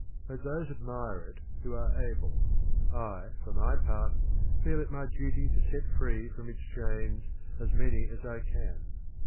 Let those admire it who are able. I, for my part, feel it my duty to set free from its chains as many as I can.